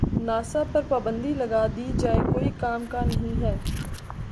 NASA پر پابندی لگا دی جاۓ کوئی کام کا نہیں ہے